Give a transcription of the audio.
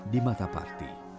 di mata parti